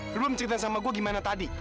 lu belum cerita sama gue gimana tadi